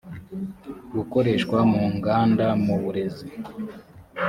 gukoreshwa mu nganda mu burezi